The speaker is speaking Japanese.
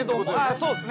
そうっすね。